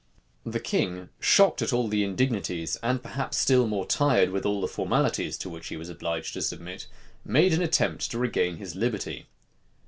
The king, shocked at all the indignities, and perhaps still more tired with all the formalities to which he was obliged to submit, made an attempt to regain his liberty.